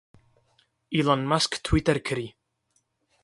Elon Musk Twitter kirî.